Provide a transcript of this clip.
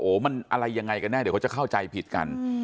มันอะไรยังไงกันแน่เดี๋ยวเขาจะเข้าใจผิดกัน